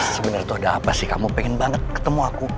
sebenarnya tuh ada apa sih kamu pengen banget ketemu aku